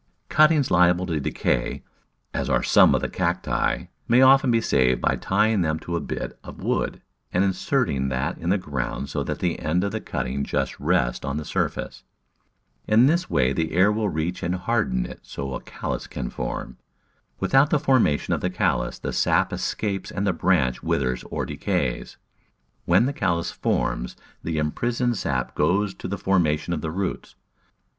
Cuttings liable to decay, as are some of the Cacti, may often be saved by tying them to a bit of wood and inserting that in the ground so that the end of the cutting just rests on the surface. In this way the air will reach and harden it so that a callus can form. Without the formation of the callus the sap escapes and the branch withers or decays. When the callus forms the imprisoned sap goes to the formation of roots.